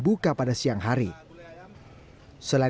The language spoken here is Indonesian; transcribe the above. sudah bapak harus tahu